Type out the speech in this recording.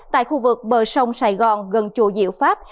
tại khu vực bờ sông sài gòn gần chùa diệu pháp